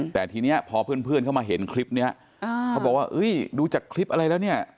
แต่ทีนี้พอเพื่อนเข้ามาเห็นคลิปนี้เขาบอกว่าดูจากคลิปอะไรแล้วเนี่ย